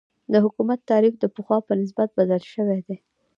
د حکومت تعریف د پخوا په نسبت بدل شوی دی.